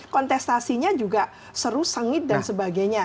kontestasinya juga seru sengit dan sebagainya